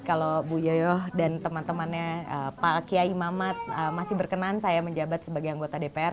kalau bu yoyo dan teman temannya pak kiai mamat masih berkenan saya menjabat sebagai anggota dpr